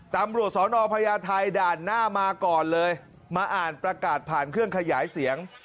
ตำรวจสอนอพญาไทยด่านหน้ามาก่อนเลยมาอ่านประกาศผ่านเครื่องขยายเสียง